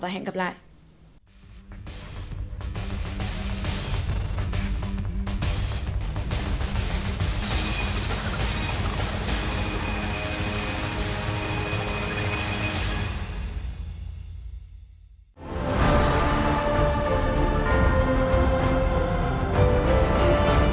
hẹn gặp lại các bạn trong những video tiếp theo